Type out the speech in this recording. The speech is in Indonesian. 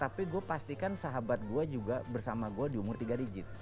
tapi gue pastikan sahabat gue juga bersama gue di umur tiga digit